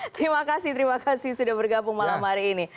terima kasih terima kasih sudah bergabung malam hari ini